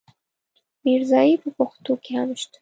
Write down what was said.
ميرزايي په پښتو کې هم شته.